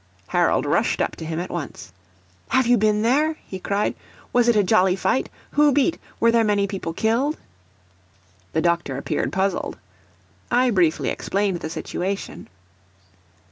Harold rushed up to him at once. "Have you been there?" he cried. "Was it a jolly fight? who beat? were there many people killed?" The doctor appeared puzzled. I briefly explained the situation.